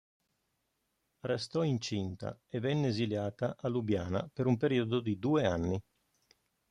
Restò incinta e venne esiliata a Lubiana per un periodo di due anni.